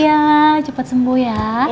iya cepat sembuh ya